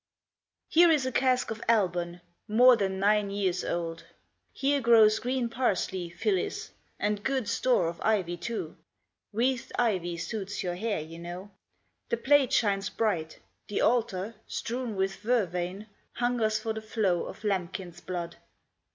Here is a cask of Alban, more Than nine years old: here grows Green parsley, Phyllis, and good store Of ivy too (Wreathed ivy suits your hair, you know) The plate shines bright: the altar, strewn With vervain, hungers for the flow Of lambkin's blood.